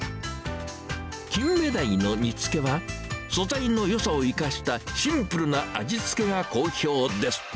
キンメダイの煮つけは、素材のよさを生かしたシンプルな味付けが好評です。